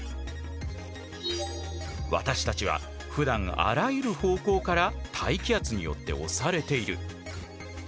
私たちはふだんあらゆる方向から大気圧によって押されている。